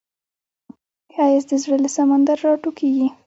ښایست د زړه له سمندر راټوکېږي